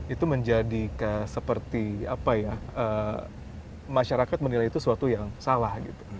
itu menjadikan seperti masyarakat menilai itu sesuatu yang salah